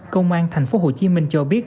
công an tp hcm cho biết